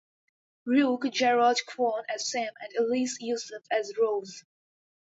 Rook, Jarrod Quon as Sam and Elise Youssef as Rose.